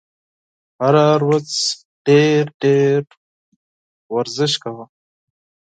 هره ورځ ډېر ډېر ورزش کوه !